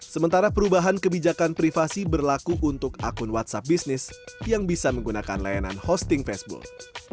sementara perubahan kebijakan privasi berlaku untuk akun whatsapp bisnis yang bisa menggunakan layanan hosting facebook